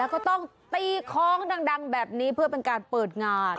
ก็ต้องตีคล้องดังแบบนี้เพื่อเป็นการเปิดงาน